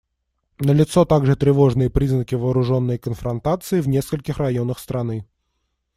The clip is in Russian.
Налицо также тревожные признаки вооруженной конфронтации в нескольких районах страны.